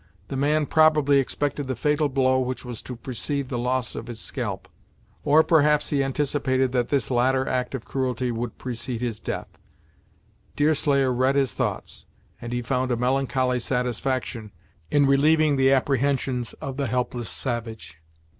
The man probably expected the fatal blow which was to precede the loss of his scalp; or perhaps he anticipated that this latter act of cruelty would precede his death. Deerslayer read his thoughts; and he found a melancholy satisfaction in relieving the apprehensions of the helpless savage.